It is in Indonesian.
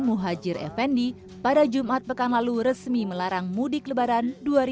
muhajir effendi pada jumat pekan lalu resmi melarang mudik lebaran dua ribu dua puluh